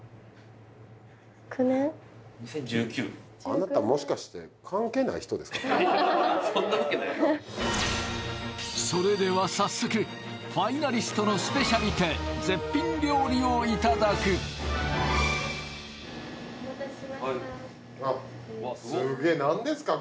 そんなわけないやろそれでは早速ファイナリストのスペシャリテ絶品料理をいただくすげえなんですか？